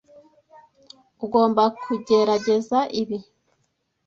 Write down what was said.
Ugomba kugerageza ibi.